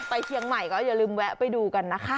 เชียงใหม่ก็อย่าลืมแวะไปดูกันนะคะ